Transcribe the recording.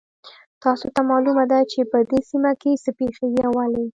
تاسو ته معلومه ده چې په دې سیمه کې څه پېښیږي او ولې